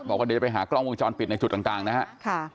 บอกว่าเดี๋ยวจะไปหากล้องวงจรปิดในจุดต่างนะครับ